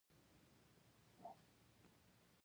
په افغانستان کې هرات د خلکو له اعتقاداتو سره تړاو لري.